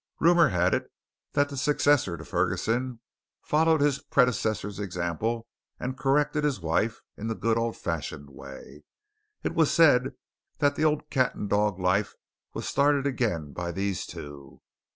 Rumour had it that the successor to Ferguson followed his predecessor's example and corrected his wife in the good, old fashioned way. It was said that the old cat and dog life was started again by these two.